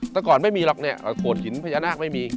แต่ก่อนไม่มีหรอกเนี่ยโขดหินพญานาคไม่มี